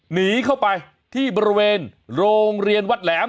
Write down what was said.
หนีเข้าไปที่บริเวณโรงเรียนวัดแหลม